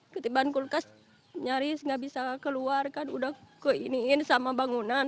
ketiban kulkas nyaris nggak bisa keluar kan udah ke iniin sama bangunan